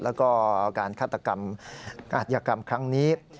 แล้วก็การฆาตกรรมอาธิกรรมครั้งนี้